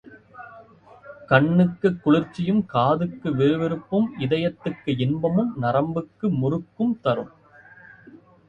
கண்ணுக்குக் குளிர்ச்சியும், காதுக்கு விறுவிறுப்பும், இதயத்துக்கு இன்பமும், நரம்புக்கு முறுக்கும் தரும்.